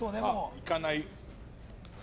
行かない。